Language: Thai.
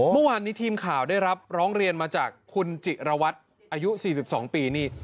เมื่อวานนี้ทีมข่าวได้รับร้องเรียนมาจากคุณจิรวัตรอายุ๔๒ปีนี่